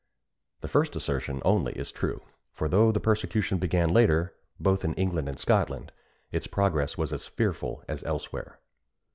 The first assertion only is true; for though the persecution began later both in England and Scotland, its progress was as fearful as elsewhere.